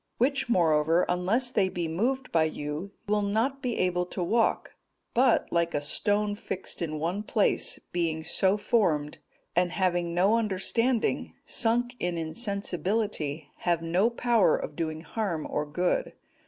which, moreover, unless they be moved by you, will not be able to walk; but, like a stone fixed in one place, being so formed, and having no understanding, sunk in insensibility, have no power of doing harm or good.